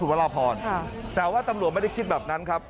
พระราพรแต่ว่าตำรวจไม่ได้คิดแบบนั้นครับ